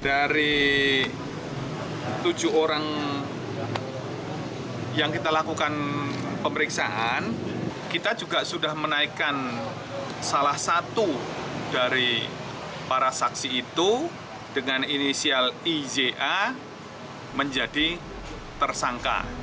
dari tujuh orang yang kita lakukan pemeriksaan kita juga sudah menaikkan salah satu dari para saksi itu dengan inisial ija menjadi tersangka